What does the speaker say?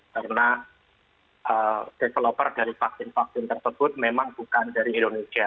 karena developer dari vaksin vaksin tersebut memang bukan dari indonesia